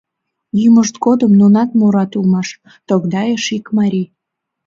— Йӱмышт годым нунат мурат улмаш, — тогдайыш ик марий.